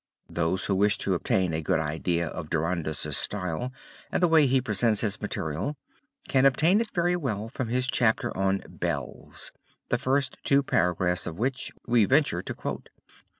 Those who wish to obtain a good idea of Durandus' style and the way he presents his material, can obtain it very well from his chapter on Bells, the first two paragraphs of which we venture to quote.